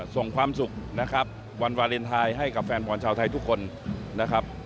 ส่งความสุขนะครับวันวาเลนไทยให้กับแฟนบอลชาวไทยทุกคนนะครับ